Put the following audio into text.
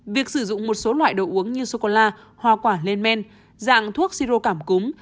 việc sử dụng một số loại đồ uống như sô cô la hoa quả lên men dạng thuốc siro cảm cúm